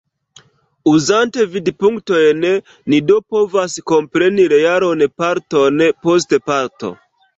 Uzante vidpunktojn, ni do povas kompreni realon parton post parto.